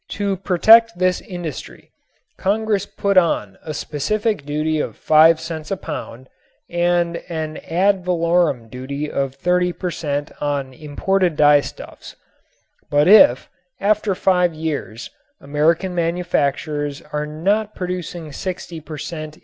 To protect this industry Congress put on a specific duty of five cents a pound and an ad valorem duty of 30 per cent. on imported dyestuffs; but if, after five years, American manufacturers are not producing 60 per cent.